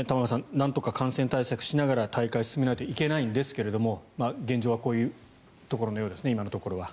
なんとか感染対策をしながら大会を進めないといけないんですが現状はこういうところのようですね。